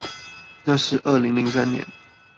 那是二零零三年